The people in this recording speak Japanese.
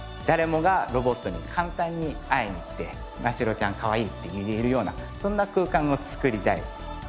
誰もがロボットに簡単に会いに来て「ましろちゃんかわいい」って言えるようなそんな空間をつくりたい。